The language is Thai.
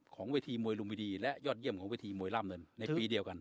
ของเวทีมวยลุมวิดีและยอดเยี่ยมของเวทีมวยร่ามเนินในปีเดียวกัน